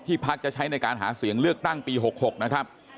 พักจะใช้ในการหาเสียงเลือกตั้งปี๖๖นะครับ